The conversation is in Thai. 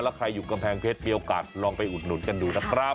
แล้วใครอยู่กำแพงเพชรมีโอกาสลองไปอุดหนุนกันดูนะครับ